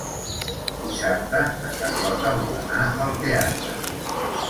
Dissabte na Carlota vol anar al teatre.